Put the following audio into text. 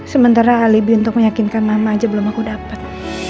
sementara alibi untuk meyakinkan mama aja belum aku dapet